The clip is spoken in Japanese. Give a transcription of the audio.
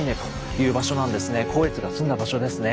光悦が住んだ場所ですね。